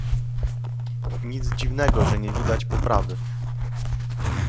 Nic dziwnego, że nie widać poprawy